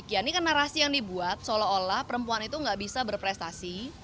ini yang dibuat seolah olah perempuan itu gak bisa berprestasi